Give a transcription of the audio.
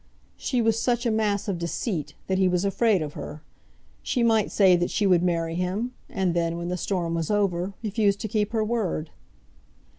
She was such a mass of deceit, that he was afraid of her. She might say that she would marry him, and then, when the storm was over, refuse to keep her word.